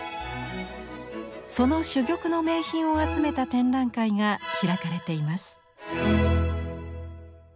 その珠玉の名品を集めた展覧会が開かれています。